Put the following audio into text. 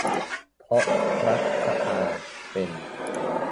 เพราะรัฐสภาเป็น